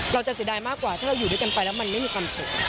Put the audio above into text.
เสียดายมากกว่าถ้าเราอยู่ด้วยกันไปแล้วมันไม่มีความสุข